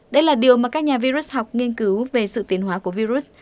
đây là điều mà các nhà virus học nghiên cứu về sự tiến hóa của virus